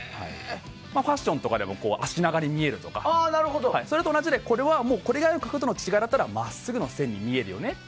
ファッションとかでも足長に見えるとかそれと同じでこれぐらいの角度の違いなら真っすぐの線に見えるよねって。